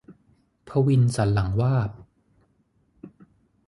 ภวินสันหลังวาบ